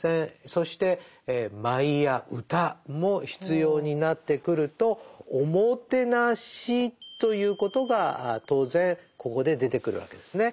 そして舞や歌も必要になってくるとおもてなしということが当然ここで出てくるわけですね。